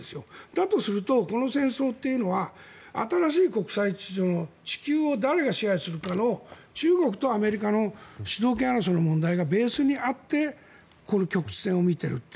だとすると、この戦争というのは新しい国際秩序の地球を誰が支配するかの中国とアメリカの主導権争いがベースにあってこの局地戦を見ていると。